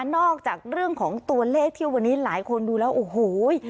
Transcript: เรื่องของตัวเลขที่วันนี้หลายคนดูแล้วโอ้โห